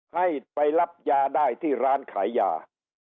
ให้ไปรับยาได้ที่ร้านขายยา